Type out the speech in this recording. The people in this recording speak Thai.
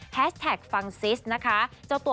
แฮชแท็กฟังซิสนะคะ